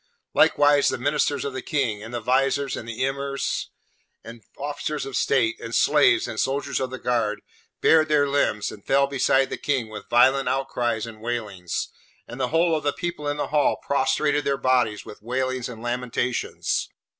Likewise the ministers of the King, and the Viziers and Emirs and officers of state, and slaves, and soldiers of the guard, bared their limbs, and fell beside the King with violent outcries and wailings; and the whole of the people in the Hall prostrated their bodies with wailings and lamentations.